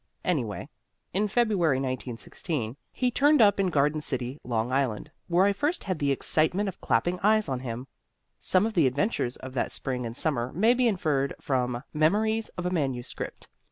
Anyway, in February, 1916, he turned up in Garden City, Long Island, where I first had the excitement of clapping eyes on him. Some of the adventures of that spring and summer may be inferred from "Memories of a Manuscript."